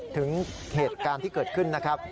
ถึงเหตุการณ์ที่เกิดขึ้นนะครับ